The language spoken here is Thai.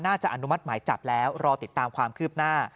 อนุมัติหมายจับแล้วรอติดตามความคืบหน้า